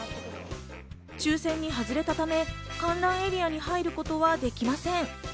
抽選に外れたため、観覧エリアに入ることはできません。